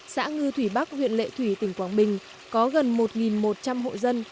xã ngư thủy bắc huyện lệ thủy tỉnh quảng bình có gần một một trăm linh hộ dân